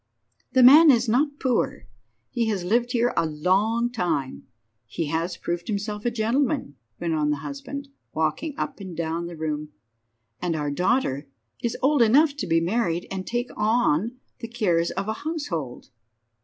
"The man is not poor, he has lived here a long time, he has proved himself a gentleman," went on the husband, walking up and down the room, "and our daughter is old enough to be married and take on her the cares of a household."